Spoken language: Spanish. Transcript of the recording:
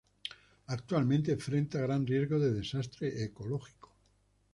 Actualmente enfrenta gran riesgo de desastre ecológico.